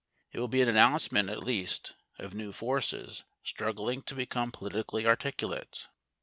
It will be an announcement, at least, of new forces struggling to become politically articulate.